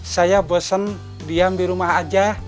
saya bosen diam dirumah aja